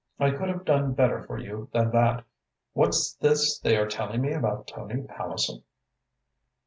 I could have done better for you than that. What's this they are telling me about Tony Palliser?"